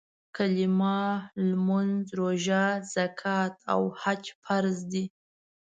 کلیمه، مونځ، روژه، زکات او حج فرض دي.